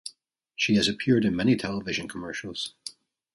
She has appeared in many television commercials.